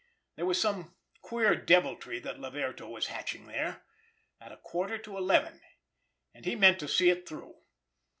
There was some queer deviltry that Laverto was hatching there—at a quarter to eleven—and he meant to see it through.